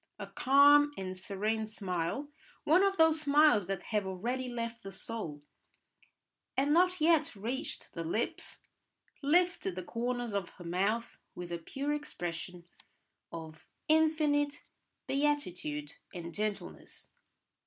A calm and serene smile, one of those smiles that have already left the soul and not yet reached the lips, lifted the corners of her mouth with a pure expression of infinite beatitude and gentleness.